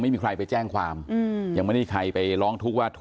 มาก็ไม่ลง